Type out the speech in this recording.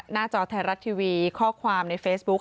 จอไทยรัฐทีวีข้อความในเฟซบุ๊ค